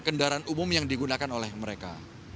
kendaraan umum yang digunakan oleh mereka